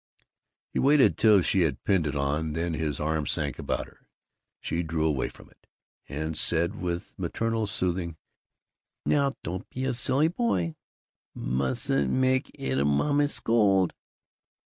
He waited till she had pinned it on, then his arm sank about her. She drew away from it, and said with maternal soothing, "Now, don't be a silly boy! Mustn't make Ittle Mama scold!